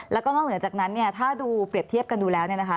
แล้วก็นอกเหนือจากนั้นเนี่ยถ้าดูเปรียบเทียบกันดูแล้วเนี่ยนะคะ